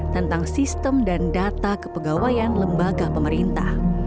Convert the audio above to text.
tentang sistem dan data kepegawaian lembaga pemerintah